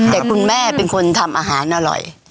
แต่คุณแม่เป็นคนทำอาหารอร่อย